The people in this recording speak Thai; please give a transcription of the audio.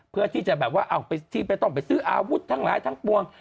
เพื่อที่จะแบบว่าที่ไม่ต้องไปซื้ออาวุธทั้งหลายทั้งปวง